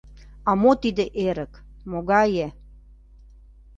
А мо тиде эрык, могае?